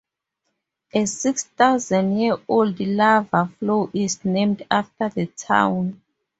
A six-thousand-year-old lava flow is named after the town.